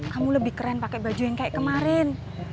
kamu lebih keren pakai baju yang kayak kemarin